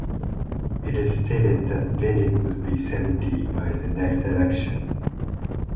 It is stated that Vinick would be seventy by the next election.